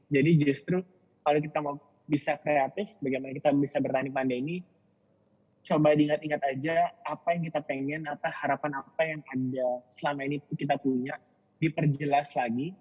justru kalau kita mau bisa kreatif bagaimana kita bisa bertanding pandemi coba diingat ingat aja apa yang kita pengen atau harapan apa yang ada selama ini kita punya diperjelas lagi